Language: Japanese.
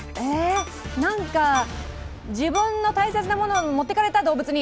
自分の大切なものを持ってかれた、動物に。